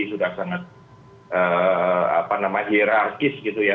sudah sangat apa namanya hirarkis gitu ya